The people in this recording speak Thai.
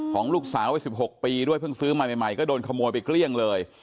ของลูกสาวไว้๑๖ปีด้วยเพิ่งซื้อใหม่ใหม่ก็โดนขโมยไปเกลี้ยงเลย